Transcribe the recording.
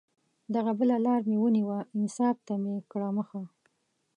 دغه بله لار مې ونیوه، انصاف ته مې کړه مخه